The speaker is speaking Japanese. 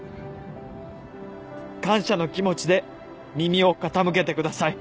「感謝の気持ちで耳を傾けてください」